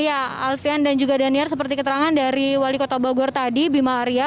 ya alfian dan juga daniar seperti keterangan dari wali kota bogor tadi bima arya